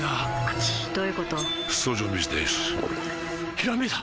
ひらめいた！